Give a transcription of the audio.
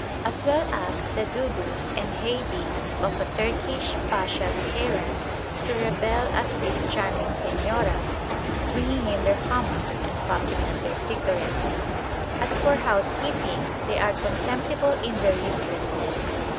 As well ask the Dudus and Haidees of a Turkish pasha's harem to rebel as these charming señoras, swinging in their hammocks and puffing at their cigarettes. As for housekeeping, they are contemptible in their uselessness.